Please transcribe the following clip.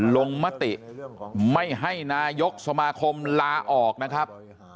ลงมติไม่ให้นายกสมาคมลาออกนะครับ